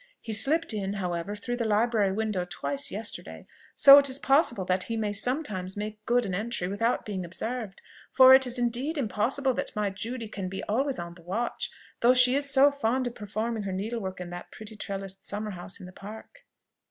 He slipped in, however, through the library window twice yesterday, so it is possible that he may sometimes make good an entry without being observed; for it is impossible that my Judy can be always on the watch, though she is so fond of performing her needlework in that pretty trellised summer house in the Park."